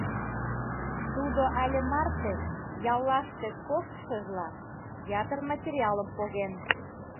Тудо але марте, яллаште коштшыжла, ятыр материалым поген.